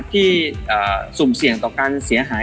สุ่มเสี่ยงต่อการเสียหาย